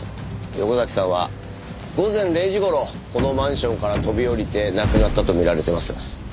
横崎さんは午前０時頃このマンションから飛び降りて亡くなったとみられてます。